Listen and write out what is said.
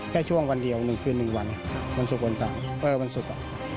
แค่ช่วงวันเดียว๑คืน๑วันวันศุกร์วันสังวันศุกร์